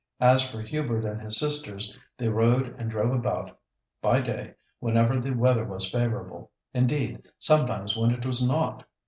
As for Hubert and his sisters, they rode and drove about by day whenever the weather was favourable; indeed sometimes when it was not.